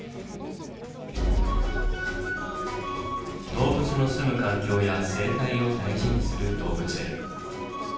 動物のすむ環境や生態を大事にする動物園。